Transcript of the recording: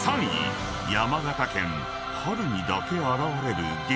［山形県春にだけ現れる激